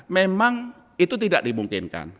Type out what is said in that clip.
memang itu tidak dimungkinkan